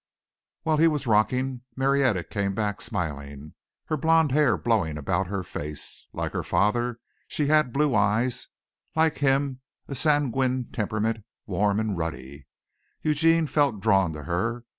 While he was rocking, Marietta came back smiling, her blond hair blowing about her face. Like her father she had blue eyes, like him a sanguine temperament, warm and ruddy. Eugene felt drawn to her.